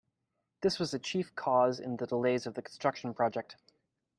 This was a chief cause in the delays of the construction project.